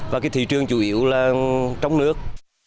và cái thị trường chủ yếu là trong nước